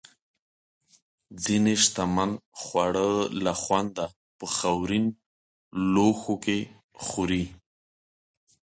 ځینې شتمن خواړه له خونده په خاورین لوښو کې خوري.